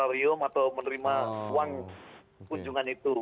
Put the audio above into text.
arium atau menerima uang kunjungan itu